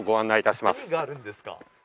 何があるんですか？